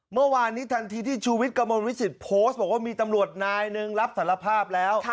เมื่อวานนี้ทันทีที่ชูวิทย์กระมวลวิสิตโพสต์บอกว่ามีตำรวจนายหนึ่งรับสารภาพแล้ว